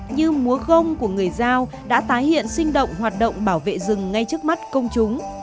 như múa không của người giao đã tái hiện sinh động hoạt động bảo vệ rừng ngay trước mắt công chúng